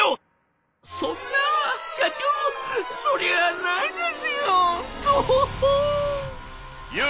「そんな社長そりゃないですよトホホ」。